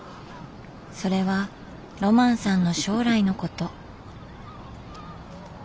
それはロマンさんの将来のこと。